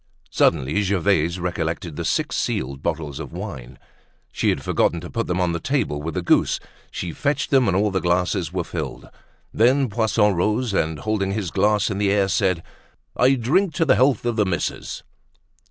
Suddenly Gervaise recollected the six sealed bottles of wine. She had forgotten to put them on the table with the goose; she fetched them, and all the glasses were filled. Then Poisson rose, and holding his glass in the air, said: "I drink to the health of the missus."